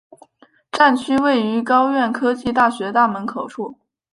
站区位于高苑科技大学大门口处。